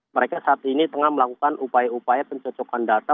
mereka saat ini tengah melakukan upaya upaya pencocokan data